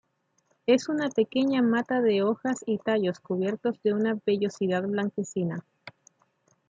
Es una pequeña mata de hojas y tallos cubiertos de una vellosidad blanquecina.